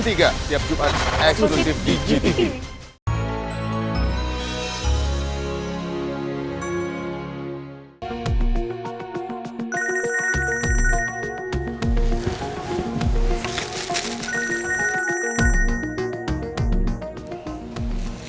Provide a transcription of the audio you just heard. siap jumpa eksklusif di gtv